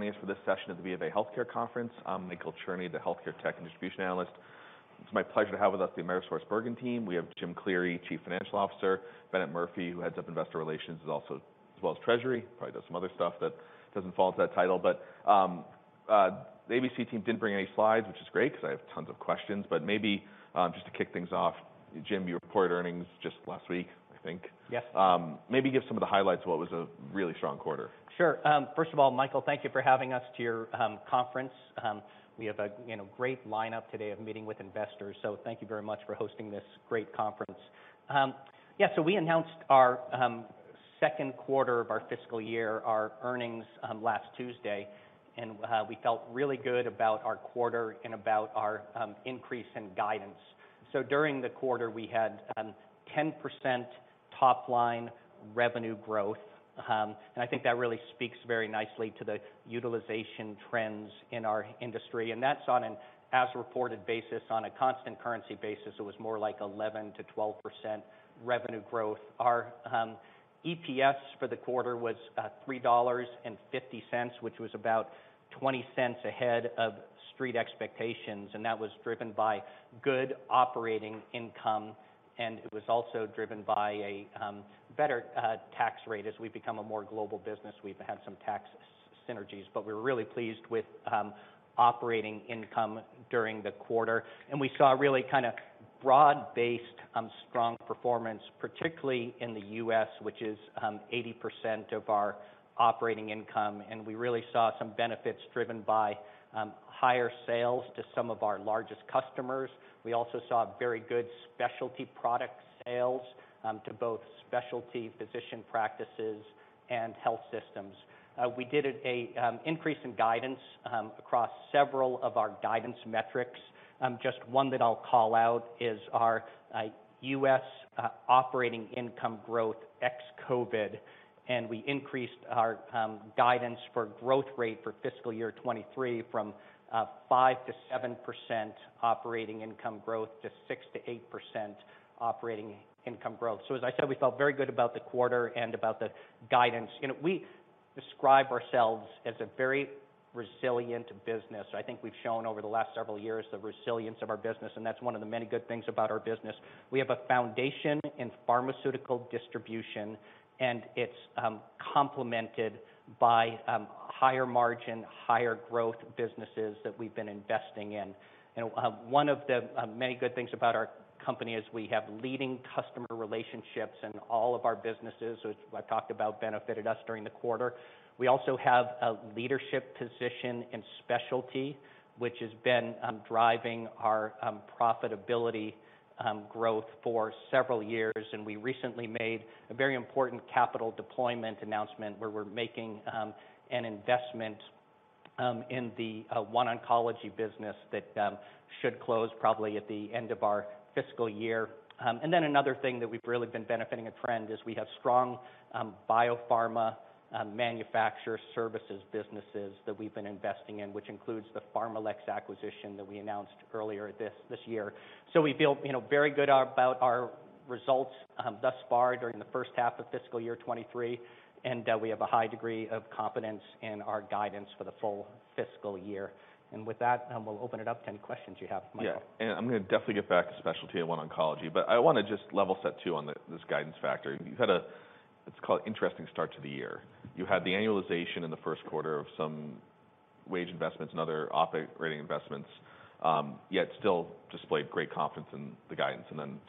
Thank you for joining us for this session of the BofA Healthcare Conference. I'm Michael Cherny, the healthcare tech and distribution analyst. It's my pleasure to have with us the Cencora team. We have Jim Cleary, Chief Financial Officer, Bennett Murphy, who heads up Investor Relations, as well as treasury, probably does some other stuff that doesn't fall into that title. The Cencora team didn't bring any slides, which is great because I have tons of questions. Maybe, just to kick things off, Jim, you reported earnings just last week, I think. Yes. Maybe give some of the highlights of what was a really strong quarter. Sure. First of all, Michael, thank you for having us to your conference. We have a, great lineup today of meeting with investors, so thank you very much for hosting this great conference. So we announced our Q2 of our fiscal, our earnings last Tuesday, and we felt really good about our quarter and about our increase in guidance. During the quarter, we had 10% top line revenue growth. I think that really speaks very nicely to the utilization trends in our industry. That's on an as-reported basis. On a constant currency basis, it was more like 11%-12% revenue growth. Our EPS for the quarter was $3.50, which was about $0.20 ahead of street expectations. That was driven by good operating income. It was also driven by a better tax rate. As we become a more global business, we've had some tax synergies. We're really pleased with operating income during the quarter. We saw really kind of broad-based strong performance, particularly in the US, which is 80% of our operating income. We really saw some benefits driven by higher sales to some of our largest customers. We also saw very good specialty product sales to both specialty physician practices and health systems. We did it a increase in guidance across several of our guidance metrics. Just one that I'll call out is our U.S. operating income growth ex-COVID, we increased our guidance for growth rate for fiscal year 2023 from 5%-7% operating income growth to 6%-8% operating income growth. As I said, we felt very good about the quarter and about the guidance. We describe ourselves as a very resilient business. I think we've shown over the last several years the resilience of our business, and that's one of the many good things about our business. We have a foundation in pharmaceutical distribution, and it's complemented by higher margin, higher growth businesses that we've been investing in. One of the many good things about our company is we have leading customer relationships in all of our businesses, which I've talked about benefited us during the quarter. We also have a leadership position in specialty, which has been driving our profitability growth for several years, and we recently made a very important capital deployment announcement where we're making an investment in the OneOncology business that should close probably at the end of our fiscal year. Another thing that we've really been benefiting a trend is we have strong biopharma manufacturer services businesses that we've been investing in, which includes the PharmaLex acquisition that we announced earlier this year. We feel, very good about our results, thus far during the first half of fiscal year 2023, and we have a high degree of confidence in our guidance for the full fiscal year. With that, we'll open it up to any questions you have, Michael. Yeah. I'm going to definitely get back to specialty at One Oncology, I want to just level set too on this guidance factor. You've had a, let's call it, interesting start to the year. You had the annualization in the Q1 of some wage investments and other operating investments, yet still displayed great confidence in the guidance.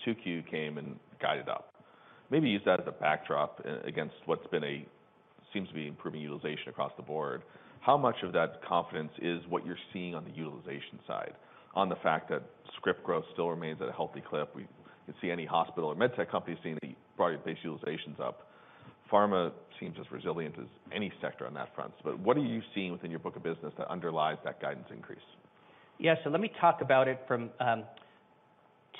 Two Q came and guided up. Maybe use that as a backdrop against what's been seems to be improving utilization across the board. How much of that confidence is what you're seeing on the utilization side, on the fact that script growth still remains at a healthy clip? We can see any hospital or med tech company seeing the broader base utilizations up. Pharma seems as resilient as any sector on that front. What are you seeing within your book of business that underlies that guidance increase? Yeah. Let me talk about it from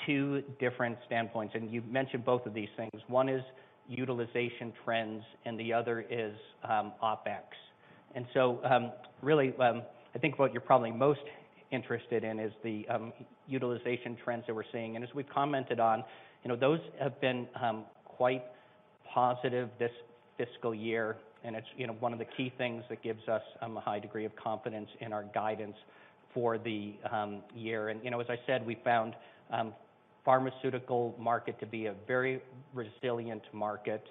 two different standpoints, and you've mentioned both of these things. One is utilization trends, and the other is OpEx. Really, I think what you're probably most interested in is the utilization trends that we're seeing. As we've commented on, those have been quite positive this fiscal year, and it's, one of the key things that gives us a high degree of confidence in our guidance for the year. You know, as I said, we found pharmaceutical market to be a very resilient market.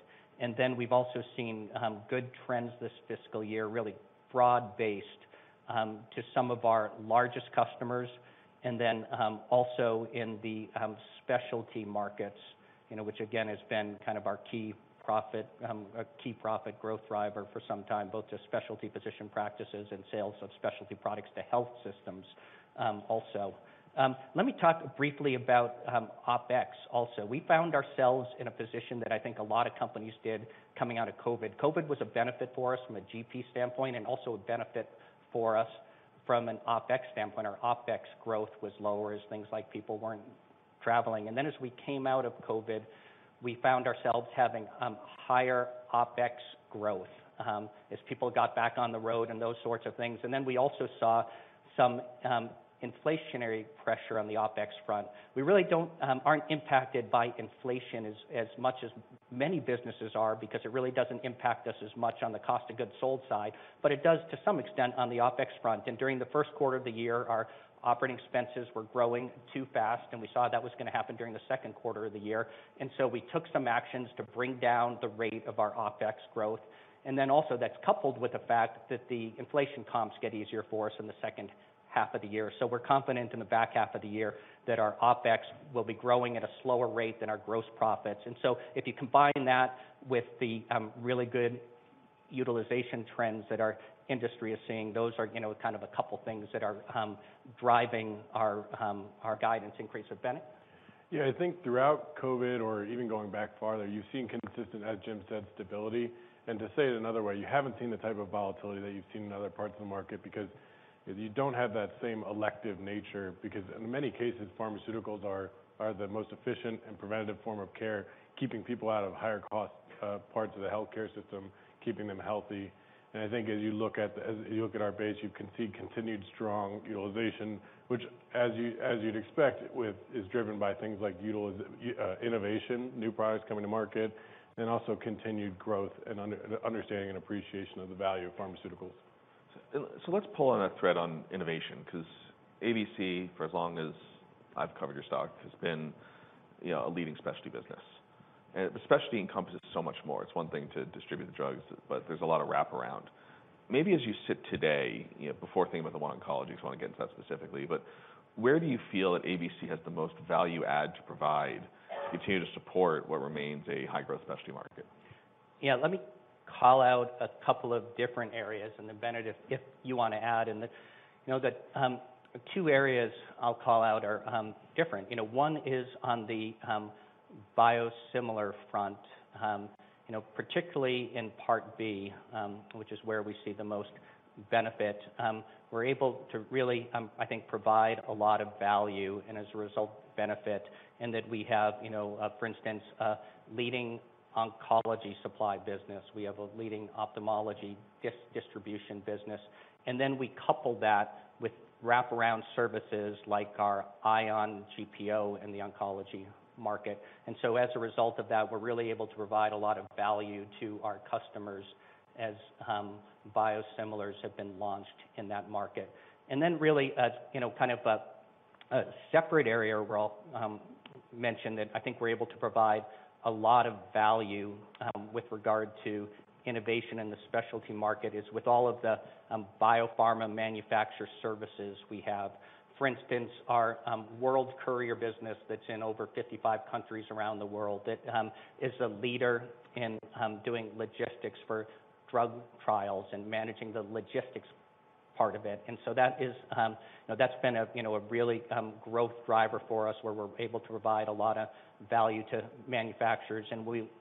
We've also seen good trends this fiscal year, really broad-based, to some of our largest customers, and then also in the specialty markets, which again, has been kind of our key profit, a key profit growth driver for some time, both to specialty physician practices and sales of specialty products to health systems, also. Let me talk briefly about OpEx also. We found ourselves in a position that I think a lot of companies did coming out of COVID. COVID was a benefit for us from a GP standpoint and also a benefit for us from an OpEx standpoint. Our OpEx growth was lower as things like people weren't traveling. As we came out of COVID, we found ourselves having higher OpEx growth as people got back on the road and those sorts of things. We also saw some inflationary pressure on the OpEx front. We really don't, aren't impacted by inflation as much as many businesses are because it really doesn't impact us as much on the cost of goods sold side, but it does to some extent on the OpEx front. During the Q1 of the year, our operating expenses were growing too fast, and we saw that was gonna happen during the Q2 of the year. So we took some actions to bring down the rate of our OpEx growth. Also that's coupled with the fact that the inflation comps get easier for us in the second half of the year. We're confident in the back half of the year that our OpEx will be growing at a slower rate than our gross profits. If you combine that with the really good utilization trends that our industry is seeing, those are, kind of a couple things that are driving our guidance increase with Bennett. Yeah. I think throughout COVID or even going back farther, you've seen consistent, as Jim said, stability. To say it another way, you haven't seen the type of volatility that you've seen in other parts of the market because you don't have that same elective nature, because in many cases, pharmaceuticals are the most efficient and preventative form of care, keeping people out of higher cost parts of the healthcare system, keeping them healthy. I think as you look at our base, you can see continued strong utilization, which as you'd expect is driven by things like utilization, innovation, new products coming to market, and also continued growth and understanding and appreciation of the value of pharmaceuticals. Let's pull on a thread on innovation because ABC, for as long as I've covered your stock, has been, a leading specialty business. Specialty encompasses so much more. It's one thing to distribute the drugs, but there's a lot of wraparound. Maybe as you sit today, before thinking about the One Oncology, just want to get into that specifically, but where do you feel that ABC has the most value add to provide to continue to support what remains a high-growth specialty market? Yeah. Let me call out a couple of different areas, and then, Bennett, if you wanna add in. The two areas I'll call out are different. One is on the biosimilar front, particularly in Part B, which is where we see the most benefit. We're able to really, I think provide a lot of value and as a result, benefit, in that we have, for instance, a leading oncology supply business. We have a leading ophthalmology distribution business. We couple that with wraparound services like our ION GPO in the oncology market. As a result of that, we're really able to provide a lot of value to our customers as biosimilars have been launched in that market. Really, kind of a separate area where I'll mention that I think we're able to provide a lot of value with regard to innovation in the specialty market is with all of the biopharma manufacturer services we have. For instance, our World Courier business that's in over 55 countries around the world that is a leader in doing logistics for drug trials and managing the logistics part of it. That's been a really growth driver for us where we're able to provide a lot of value to manufacturers.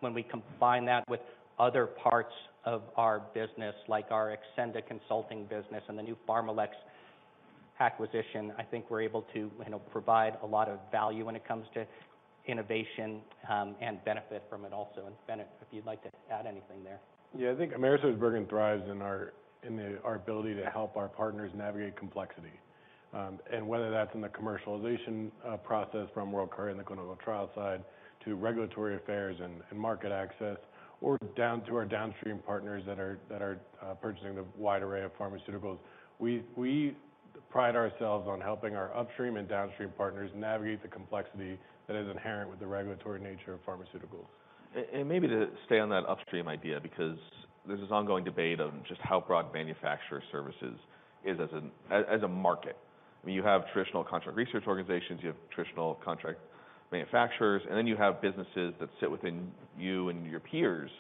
When we combine that with other parts of our business, like our Xcenda consulting business and the new PharmaLex acquisition, I think we're able to, provide a lot of value when it comes to innovation, and benefit from it also. Bennett, if you'd like to add anything there. I think AmerisourceBergen thrives in our ability to help our partners navigate complexity. Whether that's in the commercialization process from World Courier in the clinical trial side, to regulatory affairs and market access, or down to our downstream partners that are purchasing the wide array of pharmaceuticals. We pride ourselves on helping our upstream and downstream partners navigate the complexity that is inherent with the regulatory nature of pharmaceuticals. Maybe to stay on that upstream idea because there's this ongoing debate of just how broad manufacturer services is as a market. I mean, you have traditional contract research organizations, you have traditional contract manufacturers, and then you have businesses that sit within you and your peers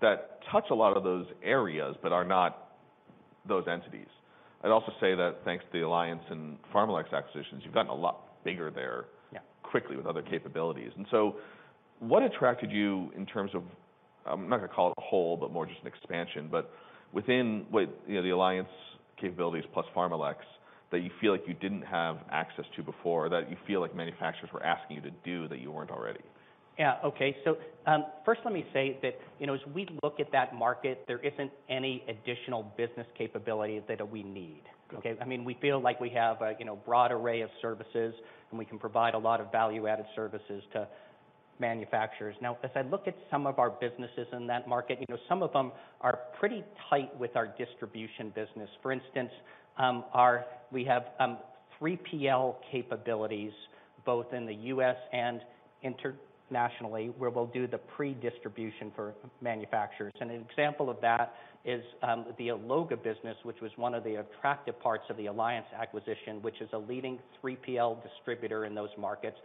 that touch a lot of those areas but are not those entities. I'd also say that thanks to the Alliance and PharmaLex acquisitions, you've gotten a lot bigger there. Yeah quickly with other capabilities. What attracted you in terms of, I'm not gonna call it a whole, but more just an expansion, but within with, the Alliance capabilities plus PharmaLex that you feel like you didn't have access to before, that you feel like manufacturers were asking you to do that you weren't already? Yeah. Okay. First let me say that, as we look at that market, there isn't any additional business capability that we need. Okay. I mean, we feel like we have a, broad array of services, and we can provide a lot of value added services to manufacturers. As I look at some of our businesses in that market, some of them are pretty tight with our distribution business. For instance, we have 3PL capabilities both in the U.S. and internationally, where we'll do the pre-distribution for manufacturers. An example of that is the Alloga business, which was one of the attractive parts of the Alliance acquisition, which is a leading 3PL distributor in those markets.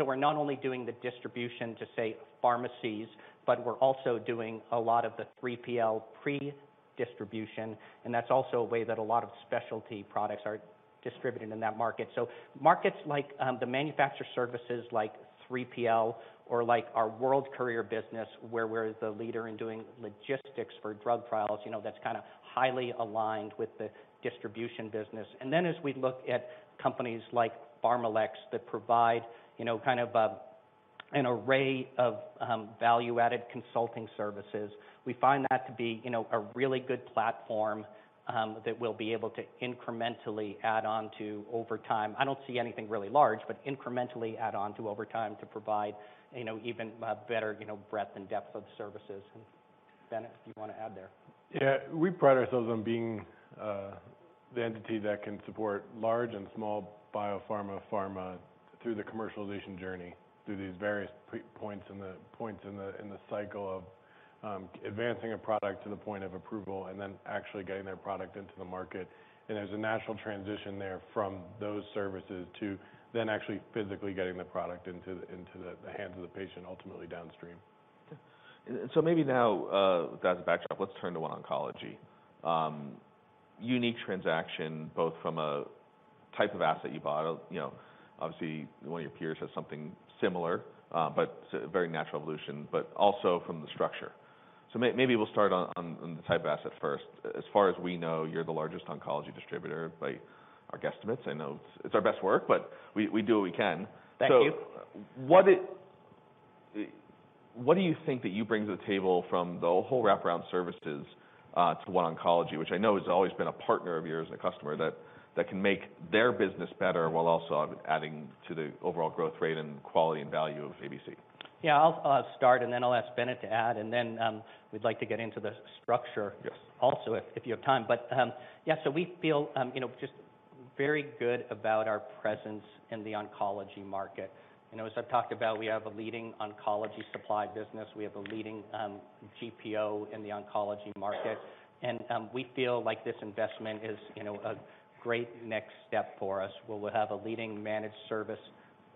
We're not only doing the distribution to, say, pharmacies, but we're also doing a lot of the 3PL pre-distribution, and that's also a way that a lot of specialty products are distributed in that market. Markets like the manufacturer services like 3PL or like our World Courier business, where we're the leader in doing logistics for drug trials, that's kinda highly aligned with the distribution business. As we look at companies like PharmaLex that provide, kind of An array of value-added consulting services. We find that to be, a really good platform that we'll be able to incrementally add on to over time. I don't see anything really large, but incrementally add on to over time to provide, even better, breadth and depth of services. Bennett, do you wanna add there? Yeah. We pride ourselves on being the entity that can support large and small biopharma, pharma through the commercialization journey, through these various points in the cycle of advancing a product to the point of approval, and then actually getting their product into the market. There's a natural transition there from those services to then actually physically getting the product into the hands of the patient ultimately downstream. Okay. Maybe now, with that as a backdrop, let's turn to One Oncology. Unique transaction, both from a type of asset you bought, obviously one of your peers has something similar, but very natural evolution, but also from the structure. Maybe we'll start on the type of asset first. As far as we know, you're the largest oncology distributor by our guesstimates. I know it's our best work, but we do what we can. Thank you. What do you think that you bring to the table from the whole wraparound services to One Oncology, which I know has always been a partner of yours and a customer that can make their business better while also adding to the overall growth rate and quality and value of ABC? Yeah. I'll start, and then I'll ask Bennett to add, and then we'd like to get into the Yes Also if you have time. Yeah, so we feel, just very good about our presence in the oncology market. You know, as I've talked about, we have a leading oncology supply business. We have a leading GPO in the oncology market. We feel like this investment is, a great next step for us, where we'll have a leading managed service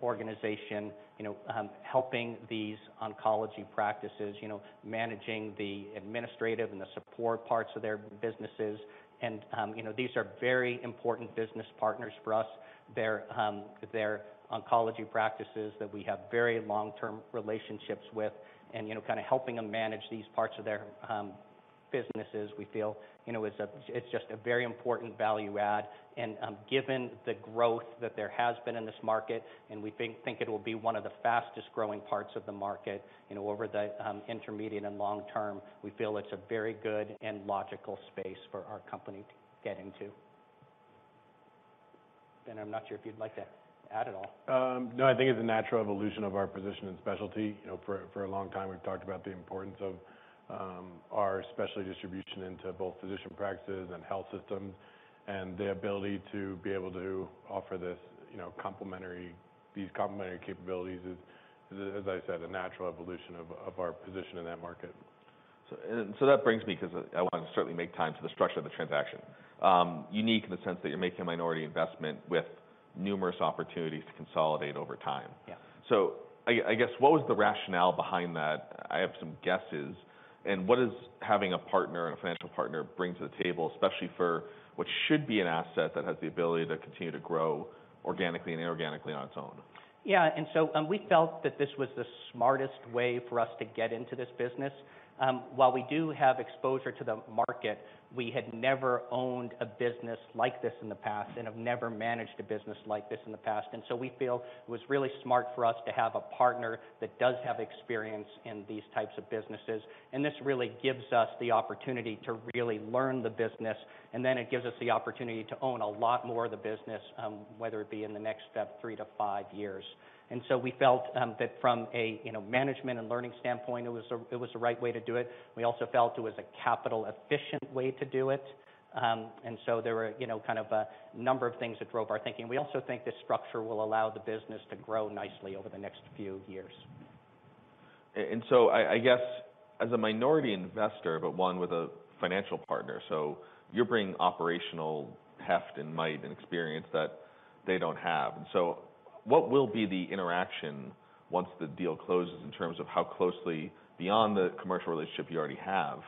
organization, helping these oncology practices, managing the administrative and the support parts of their businesses. These are very important business partners for us. They're oncology practices that we have very long-term relationships with and, kinda helping them manage these parts of their businesses, we feel, it's just a very important value add. Given the growth that there has been in this market, and we think it'll be one of the fastest growing parts of the market, over the intermediate and long term, we feel it's a very good and logical space for our company to get into. Ben, I'm not sure if you'd like to add at all? No, I think it's a natural evolution of our position in specialty. You know, for a long time we've talked about the importance of our specialty distribution into both physician practices and health systems, and the ability to be able to offer this, complementary, these complementary capabilities is, as I said, a natural evolution of our position in that market. That brings me, 'cause I want to certainly make time to the structure of the transaction. Unique in the sense that you're making a minority investment with numerous opportunities to consolidate over time. Yeah. I guess, what was the rationale behind that? I have some guesses. What is having a partner and a financial partner bring to the table, especially for what should be an asset that has the ability to continue to grow organically and inorganically on its own? Yeah. We felt that this was the smartest way for us to get into this business. While we do have exposure to the market, we had never owned a business like this in the past and have never managed a business like this in the past. We feel it was really smart for us to have a partner that does have experience in these types of businesses, and this really gives us the opportunity to really learn the business. It gives us the opportunity to own a lot more of the business, whether it be in the next three to five years. We felt that from a management and learning standpoint, it was the right way to do it. We also felt it was a capital efficient way to do it. There were, kind of a number of things that drove our thinking. We also think this structure will allow the business to grow nicely over the next few years. I guess as a minority investor, but one with a financial partner, so you're bringing operational heft and might and experience that they don't have. What will be the interaction once the deal closes in terms of how closely, beyond the commercial relationship you already have,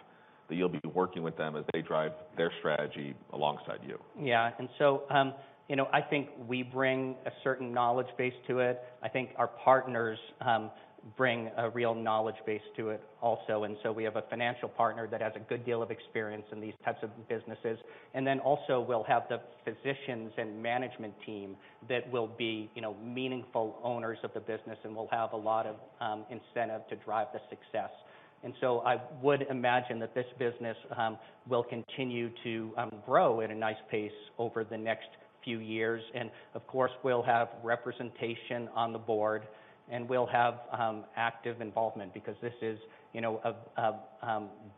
that you'll be working with them as they drive their strategy alongside you? Yeah, I think we bring a certain knowledge base to it. I think our partners bring a real knowledge base to it also. We have a financial partner that has a good deal of experience in these types of businesses. Also, we'll have the physicians and management team that will be, meaningful owners of the business and will have a lot of incentive to drive the success. I would imagine that this business will continue to grow at a nice pace over the next few years. Of course, we'll have representation on the board and we'll have active involvement because this is, a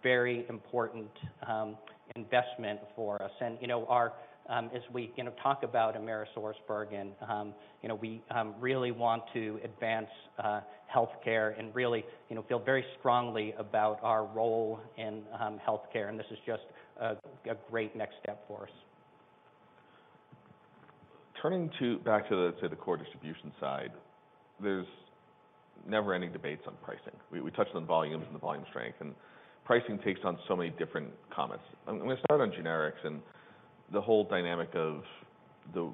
very important investment for us. You know, as we, talk about AmerisourceBergen, we really want to advance healthcare and really, feel very strongly about our role in healthcare, and this is just a great next step for us. Turning back to the core distribution side, there's never-ending debates on pricing. We touched on volumes and the volume strength, and pricing takes on so many different comments. I'm going to start on generics and the whole dynamic of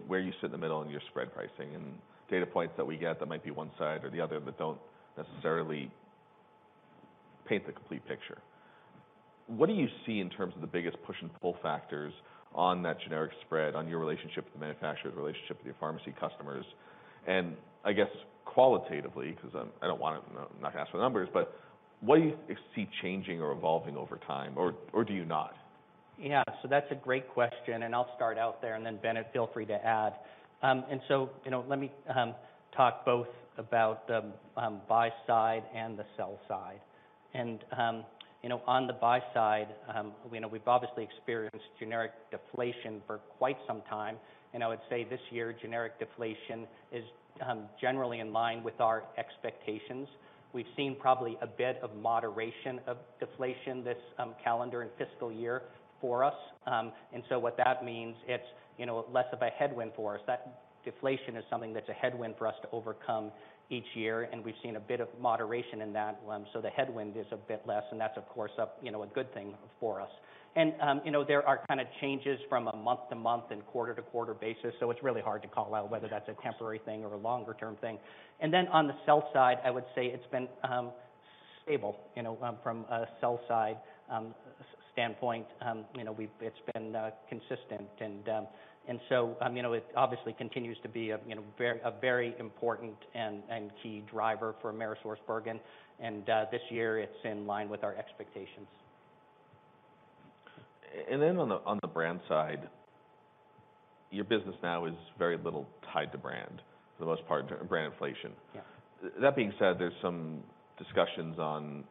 where you sit in the middle and your spread pricing and data points that we get that might be one side or the other that don't necessarily paint the complete picture. What do you see in terms of the biggest push and pull factors on that generic spread, on your relationship with the manufacturer, the relationship with your pharmacy customers? I guess qualitatively, because I don't want to not ask for the numbers, but what do you see changing or evolving over time, or do you not? Yeah. That's a great question, and I'll start out there, and then Bennett, feel free to add. You know, let me talk both about the buy side and the sell side. You know, on the buy side, we've obviously experienced generic deflation for quite some time. I would say this year, generic deflation is generally in line with our expectations. We've seen probably a bit of moderation of deflation this calendar and fiscal year for us. What that means, it's, less of a headwind for us. That deflation is something that's a headwind for us to overcome each year, and we've seen a bit of moderation in that one. The headwind is a bit less, and that's of course a good thing for us. There are kind of changes from a month-to-month and quarter-to-quarter basis, so it's really hard to call out whether that's a temporary thing or a longer-term thing. On the sell side, I would say it's been stable, from a sell side standpoint. It's been consistent and so, it obviously continues to be a very important and key driver for AmerisourceBergen. This year it's in line with our expectations. On the brand side, your business now is very little tied to brand, for the most part, brand inflation. Yeah. That being said, there's some discussions on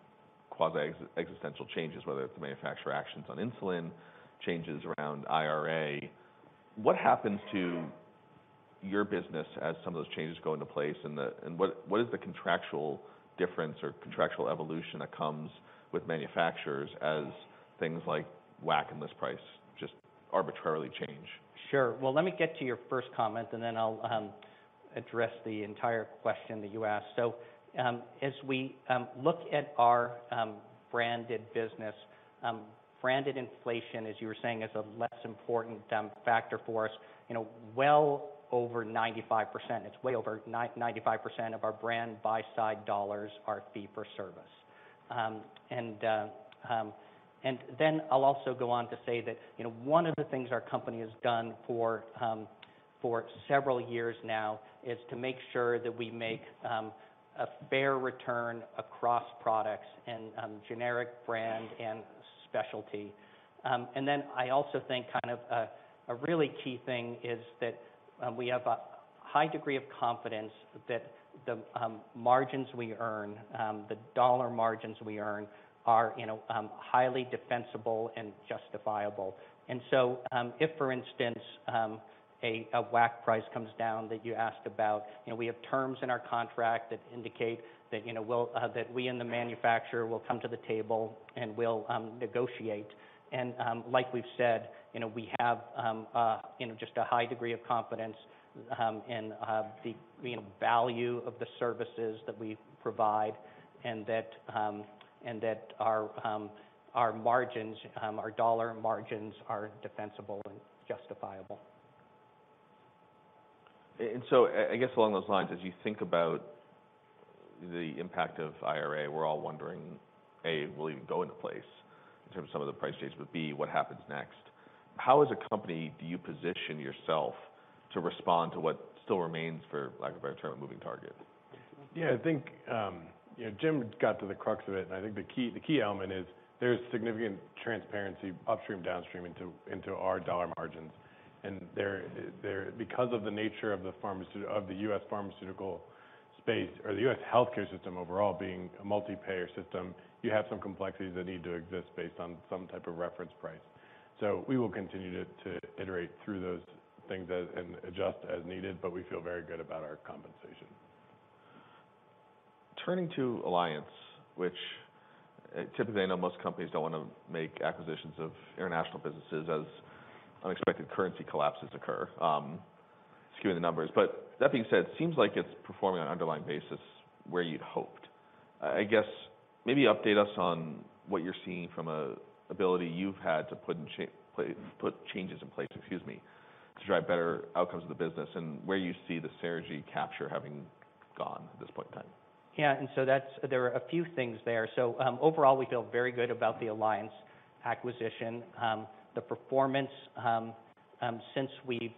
quasi ex-existential changes, whether it's the manufacturer actions on insulin, changes around IRA. What happens to your business as some of those changes go into place, and what is the contractual difference or contractual evolution that comes with manufacturers as things like WAC and list price just arbitrarily change? Sure. Well, let me get to your first comment, and then I'll address the entire question that you asked. As we look at our branded business, branded inflation, as you were saying, is a less important factor for us. Well over 95%, it's way over 995% of our brand buy side $ are fee-for-service. I'll also go on to say that, one of the things our company has done for several years now is to make sure that we make a fair return across products in generic brand and specialty. Then I also think kind of a really key thing is that we have a high degree of confidence that the margins we earn, the dollar margins we earn are, highly defensible and justifiable. So, if, for instance, a WAC price comes down that you asked about, we have terms in our contract that indicate that, we'll that we and the manufacturer will come to the table, and we'll negotiate. Like we've said, we have, just a high degree of confidence in the, value of the services that we provide and that and that our our margins, our dollar margins are defensible and justifiable. I guess along those lines, as you think about the impact of IRA, we're all wondering, A, will it even go into place in terms of some of the price changes, but B, what happens next? How as a company do you position yourself to respond to what still remains for, lack of better term, a moving target? I think, Jim got to the crux of it, and I think the key element is there's significant transparency upstream, downstream into our dollar margins. They're because of the nature of the U.S. pharmaceutical space or the U.S. healthcare system overall being a multi-payer system, you have some complexities that need to exist based on some type of reference price. We will continue to iterate through those things and adjust as needed, but we feel very good about our compensation. Turning to Alliance, which typically I know most companies don't want to make acquisitions of international businesses as unexpected currency collapses occur, skewing the numbers. That being said, it seems like it's performing on an underlying basis where you'd hoped. I guess, maybe update us on what you're seeing from a ability you've had to put in changes in place, excuse me, to drive better outcomes of the business and where you see the synergy capture having gone at this point in time. Yeah. That's, there are a few things there. Overall, we feel very good about the Alliance acquisition. The performance since we've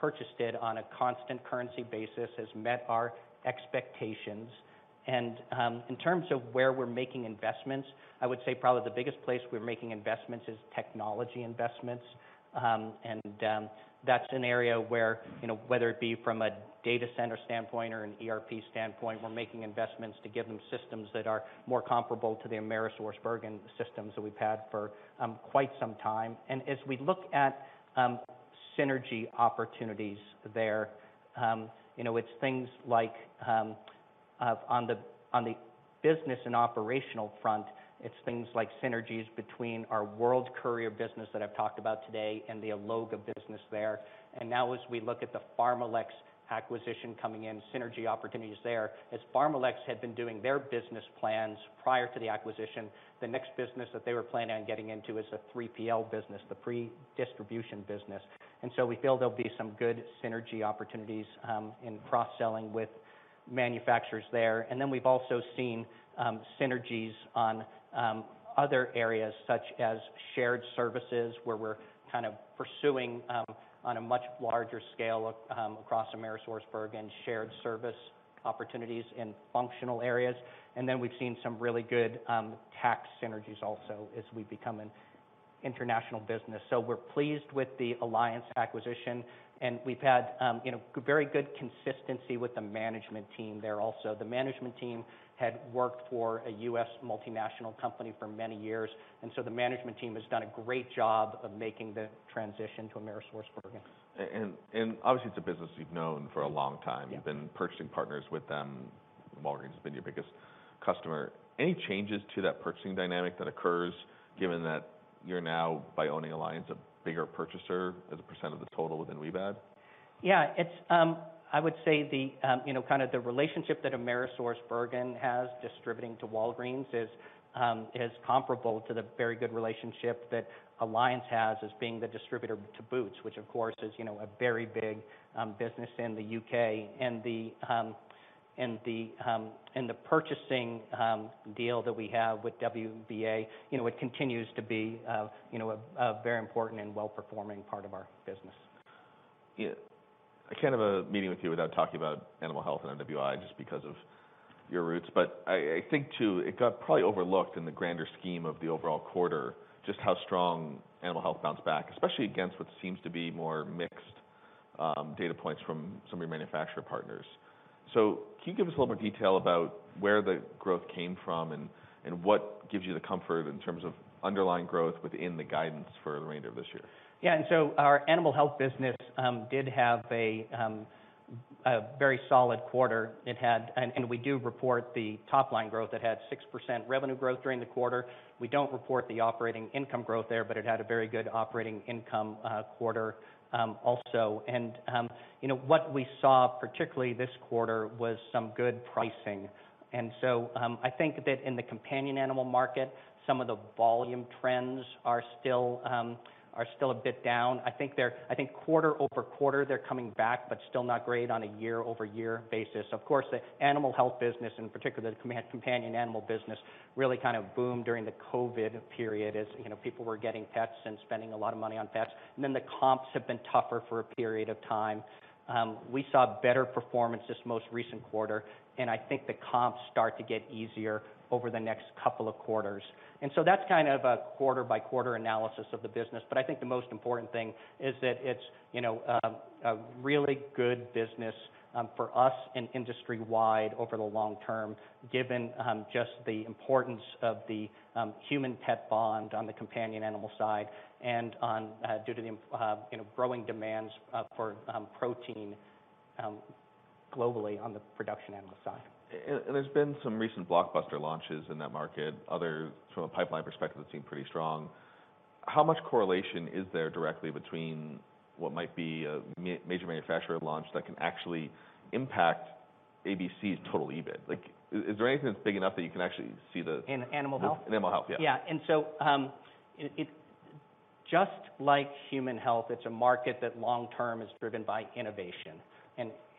purchased it on a constant currency basis has met our expectations. In terms of where we're making investments, I would say probably the biggest place we're making investments is technology investments. That's an area where, whether it be from a data center standpoint or an ERP standpoint, we're making investments to give them systems that are more comparable to the AmerisourceBergen systems that we've had for quite some time. As we look at synergy opportunities there, it's things like on the business and operational front, it's things like synergies between our World Courier business that I've talked about today and the Alloga business there. Now as we look at the PharmaLex acquisition coming in, synergy opportunities there. As PharmaLex had been doing their business plans prior to the acquisition, the next business that they were planning on getting into is the 3PL business, the pre-distribution business. So we feel there'll be some good synergy opportunities in cross-selling with manufacturers there. Then we've also seen synergies on other areas such as shared services, where we're kind of pursuing on a much larger scale across AmerisourceBergen shared service opportunities in functional areas. Then we've seen some really good tax synergies also as we become an international business. We're pleased with the Alliance acquisition, and we've had, very good consistency with the management team there also. The management team had worked for a U.S. multinational company for many years, and so the management team has done a great job of making the transition to AmerisourceBergen. obviously, it's a business you've known for a long time. Yeah. You've been purchasing partners with them. Walgreens has been your biggest customer. Any changes to that purchasing dynamic that occurs given that you're now, by owning Alliance, a bigger purchaser as a % of the total within WBAD? Yeah. It's, I would say the, kind of the relationship that AmerisourceBergen has distributing to Walgreens is comparable to the very good relationship that Alliance has as being the distributor to Boots, which of course is, a very big business in the UK. The purchasing deal that we have with WBA, it continues to be, a very important and well-performing part of our business. Yeah. I can't have a meeting with you without talking about Animal Health and MWI just because of your roots. I think too, it got probably overlooked in the grander scheme of the overall quarter, just how strong Animal Health bounced back, especially against what seems to be more mixed data points from some of your manufacturer partners. Can you give us a little more detail about where the growth came from and what gives you the comfort in terms of underlying growth within the guidance for the remainder of this year? Yeah. Our Animal Health business did have a very solid quarter. We do report the top line growth. It had 6% revenue growth during the quarter. We don't report the operating income growth there, but it had a very good operating income quarter also. You know, what we saw, particularly this quarter, was some good pricing. I think that in the companion animal market, some of the volume trends are still a bit down. I think quarter-over-quarter, they're coming back, but still not great on a year-over-year basis. Of course, the Animal Health business, in particular the companion animal business, really kind of boomed during the COVID period, as, people were getting pets and spending a lot of money on pets. The comps have been tougher for a period of time. We saw better performance this most recent quarter, and I think the comps start to get easier over the next couple of quarters. That's kind of a quarter-by-quarter analysis of the business. I think the most important thing is that it's, a really good business for us and industry-wide over the long term, given just the importance of the human-pet bond on the companion animal side and on due to the, growing demands for protein globally on the production animal side. There's been some recent blockbuster launches in that market. From a pipeline perspective, it seemed pretty strong. How much correlation is there directly between what might be a major manufacturer launch that can actually impact ABC's total EBIT? Like, is there anything that's big enough that you can actually see? In Animal Health? In Animal Health, yeah. Yeah. Just like Human Health, it's a market that long term is driven by innovation.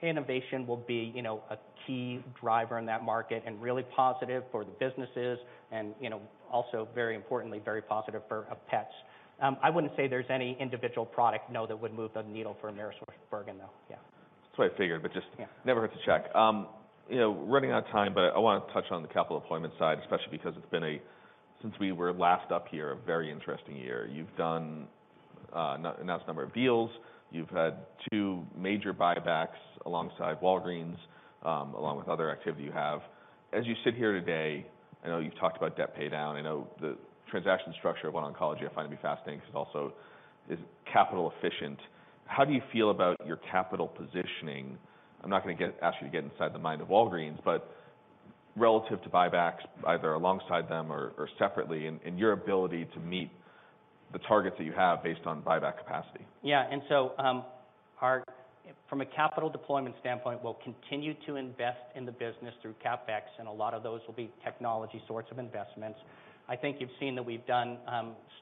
Innovation will be, a key driver in that market and really positive for the businesses and, also very importantly, very positive for pets. I wouldn't say there's any individual product, no, that would move the needle for Cencora, though. Yeah. That's what I figured. Yeah. Never hurts to check. You know, running out of time, but I wanna touch on the capital deployment side, especially because it's been since we were last up here, a very interesting year. You've announced a number of deals. You've had two major buybacks alongside Walgreens, along with other activity you have. As you sit here today, I know you've talked about debt paydown. I know the transaction structure of One Oncology I find to be fascinating 'cause it also is capital efficient. How do you feel about your capital positioning? I'm not gonna ask you to get inside the mind of Walgreens, but relative to buybacks, either alongside them or separately in your ability to meet the targets that you have based on buyback capacity. Yeah. From a capital deployment standpoint, we'll continue to invest in the business through CapEx, and a lot of those will be technology sorts of investments. I think you've seen that we've done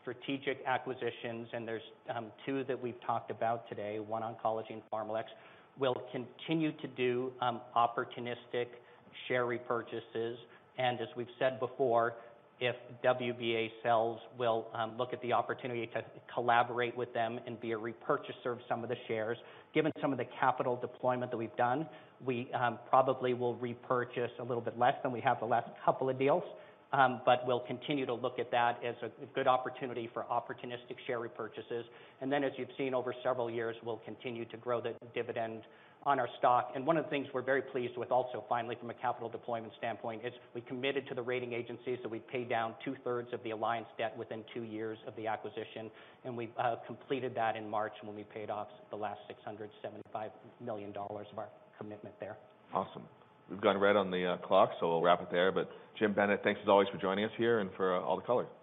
strategic acquisitions, and there's two that we've talked about today, One Oncology and PharmaLex. We'll continue to do opportunistic share repurchases. As we've said before, if WBA sells, we'll look at the opportunity to collaborate with them and be a repurchaser of some of the shares. Given some of the capital deployment that we've done, we probably will repurchase a little bit less than we have the last couple of deals. But we'll continue to look at that as a good opportunity for opportunistic share repurchases. As you've seen over several years, we'll continue to grow the dividend on our stock. One of the things we're very pleased with also, finally, from a capital deployment standpoint, is we committed to the rating agencies that we'd pay down two-thirds of the Alliance debt within two years of the acquisition, and we've completed that in March when we paid off the last $675 million of our commitment there. Awesome. We've gone red on the clock, so we'll wrap up there. Jim Bennett, thanks as always for joining us here and for all the color. Thanks, everyone.